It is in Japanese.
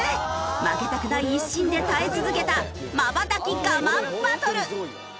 負けたくない一心で耐え続けたまばたき我慢バトル！